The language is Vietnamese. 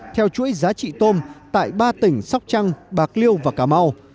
theo chuỗi giá trị tôm tại ba tỉnh sóc trăng bạc liêu và cà mau